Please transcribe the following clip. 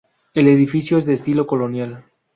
El edificio es de estilo colonial.